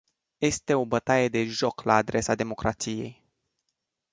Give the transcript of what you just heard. Este o bătaie de joc la adresa democrației!